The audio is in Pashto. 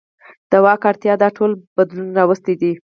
د واک اړتیا دا ټول بدلون راوستی دی.